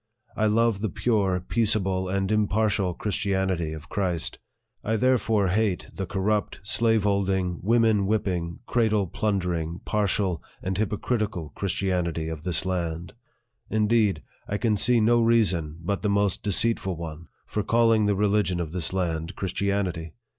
I love the pure, peaceable, and impartial Christianity of Christ : I therefore hate the corrupt, slaveholding, women whipping, cradle plundering, partial and hypocritical Christianity of this land. Indeed, I can see no reason, but the most deceitful one, for calling the religion of this land Christianity.